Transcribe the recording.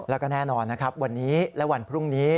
แล้วก็แน่นอนนะครับวันนี้และวันพรุ่งนี้